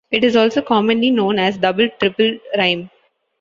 It is also commonly known as double triple rhyme.